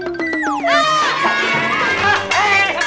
masalahnya saat kita jamur jalan